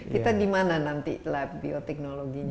kita di mana nanti lab bioteknologinya